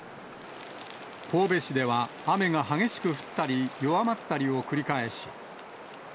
神戸市では雨が激しく降ったり弱まったりを繰り返し。